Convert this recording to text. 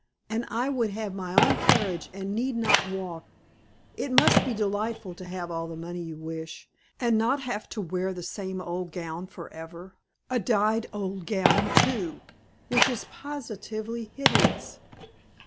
And I would have my own carriage and need not walk. It must be delightful to have all the money you wish, and not have to wear the same old gown forever a dyed old gown, too, which is positively hideous."